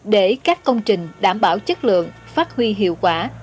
để các công trình đảm bảo chất lượng phát huy hiệu quả